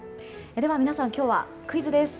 では皆さん、今日はクイズです。